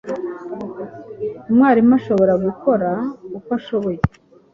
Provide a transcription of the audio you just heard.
Umwarimu ashobora gukora uko ashoboye